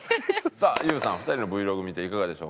さあＹＯＵさん２人のＶｌｏｇ見ていかがでしょうか？